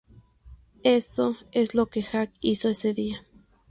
Eso es lo que Jack hizo ese día".